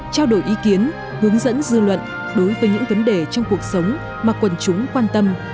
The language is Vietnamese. trao đổi ý kiến hướng dẫn dư luận đối với những vấn đề trong cuộc sống mà quần chúng quan tâm